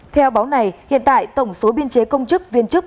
theo báo này hiện tại tổng số biên chế công chức viên chức